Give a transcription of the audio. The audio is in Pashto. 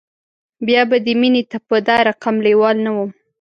بیا به دې مینې ته په دا رقم لیوال نه وم